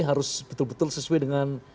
harus betul betul sesuai dengan